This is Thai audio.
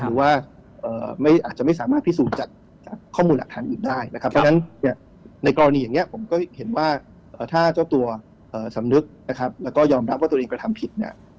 หรือว่าอาจจะไม่สามารถพิสูจน์จากข้อมูลหลักฐานอื่นได้นะครับเพราะฉะนั้นเนี่ยในกรณีอย่างนี้ผมก็เห็นว่าถ้าเจ้าตัวสำนึกนะครับแล้วก็ยอมรับว่าตัวเองกระทำผิดเนี่ย